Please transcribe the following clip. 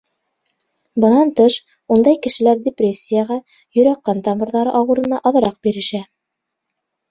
Бынан тыш, ундай кешеләр депрессияға, йөрәк-ҡан тамырҙары ауырыуына аҙыраҡ бирешә.